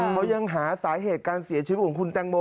เขายังหาสาเหตุการเสียชีวิตของคุณแตงโม